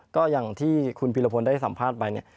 ก็อย่างที่คุณพีรพลได้สัมภาษณ์ไปเนี่ย